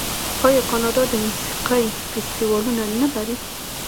آیا کاناډا د موسیقۍ فستیوالونه نلري؟